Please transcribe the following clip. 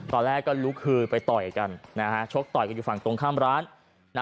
ตอนแรกก็ลุกคือไปต่อยกันชกต่อยกันอยู่ฝั่งตรงข้ามร้าน